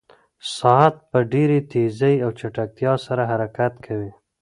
ساعت په ډېرې تېزۍ او چټکتیا سره حرکت کوي.